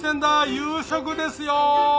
夕食ですよー！